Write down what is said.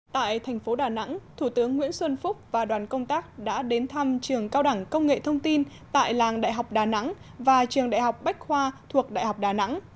tại thành phố đà nẵng thủ tướng nguyễn xuân phúc và đoàn công tác đã đến thăm trường cao đẳng công nghệ thông tin tại làng đại học đà nẵng và trường đại học bách khoa thuộc đại học đà nẵng